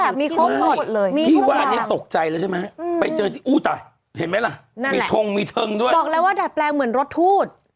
บอกแล้วว่าดัดแปลงเหมือนรถทูต